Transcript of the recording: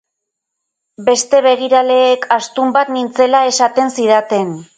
Beste begiraleek astun bat nintzela esaten zidaten.